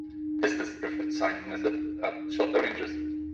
This is the preferred sighting method at shorter ranges.